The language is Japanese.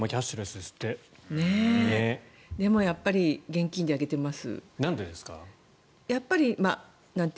でも、やっぱり現金であげています。